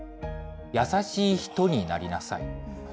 優しい人になりなさい。